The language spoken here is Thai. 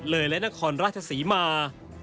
เลยและนครราชศรีมา